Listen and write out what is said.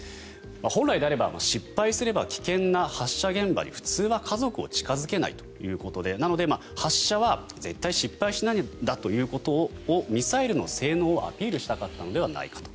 本来であれば失敗すれば危険な発射現場に普通は家族を近付けないということでなので、発射は絶対失敗しないんだということをミサイルの性能をアピールしたかったのではないかと。